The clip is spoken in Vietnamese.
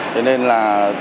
thế nên là